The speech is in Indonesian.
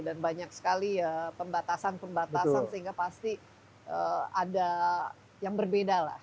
dan banyak sekali ya pembatasan pembatasan sehingga pasti ada yang berbeda lah